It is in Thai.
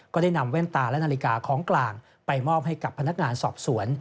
ก็ได้นำแว่นตาและนาฬิกาของกลางไปมอบให้กับพนักงานสอบสวน